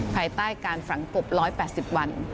ภายใต้การฝังกบ๑๘๐วัน